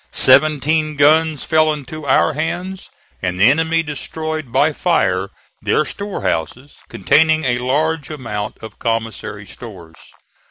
Seventeen guns fell into our hands, and the enemy destroyed by fire their store houses, containing a large amount of commissary stores.